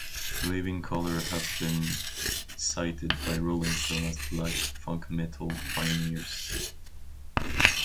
Living Colour have been cited by "Rolling Stone" as "black funk metal pioneers.